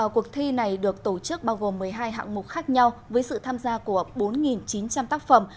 cuộc thi này được tổ chức bao gồm một mươi hai hạng mục khác nhau với sự tham gia của bốn chín trăm linh tác phẩm